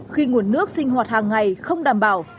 khi nguồn nước sinh hoạt hàng ngày không đảm bảo